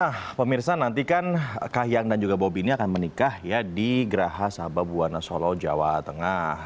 nah pemirsa nanti kan kahiyang dan juga bobi ini akan menikah ya di geraha sabah buwana solo jawa tengah